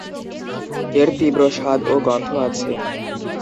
এর তীব্র স্বাদ ও গন্ধ আছে।